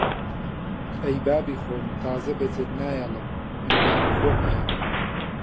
ئەی بابی خۆم! تازە بەجێت نایەڵم! من بابی خۆم هەیە!